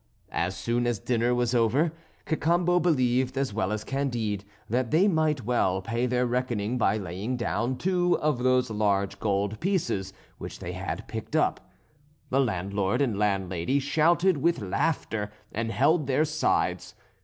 As soon as dinner was over, Cacambo believed as well as Candide that they might well pay their reckoning by laying down two of those large gold pieces which they had picked up. The landlord and landlady shouted with laughter and held their sides.